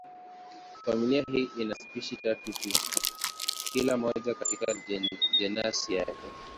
Familia hii ina spishi tatu tu, kila moja katika jenasi yake.